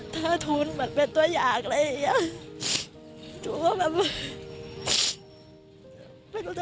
เธอทุนเป็นตัวอย่างแล้วอย่างนี้